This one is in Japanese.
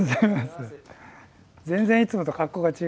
全然いつもと格好が違いますね。